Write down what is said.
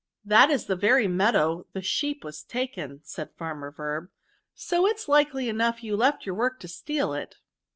"* It is in that very meadow the sheep was taken/ said farmer Verb; * so it's likely enough you left your work to steal it.'